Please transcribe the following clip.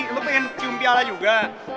lu pengen cium piana juga